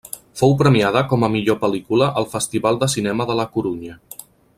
Fou premiada com a millor pel·lícula al Festival de Cinema de La Corunya.